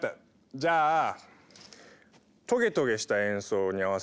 じゃあトゲトゲした演奏に合わせてみるのはどう？